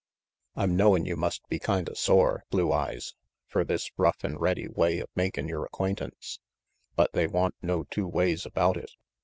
"I'm knowin' you must be kinda sore, Blue Eyes, fer this rough and ready way of makin' yore acquaint ance, but they wan't no two ways about it.